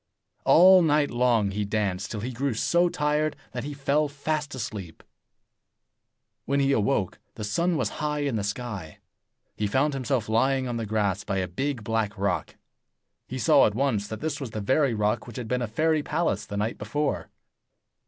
All night long he danced, till he grew so tired that he fell fast asleep. When he awoke, the sun was high in the sky. He found himself lying on the grass by a big black rock. He saw at once that this was the very rock which had been a fairy palace the night before.